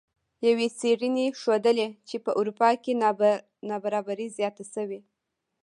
یوې څیړنې ښودلې چې په اروپا کې نابرابري زیاته شوې